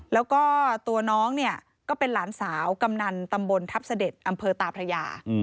แล้วก็ตัวน้องเนี่ยก็เป็นหลานสาวกำนันตำบลทัพเสด็จอำเภอตาพระยา